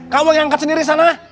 kamu angkat sendiri sana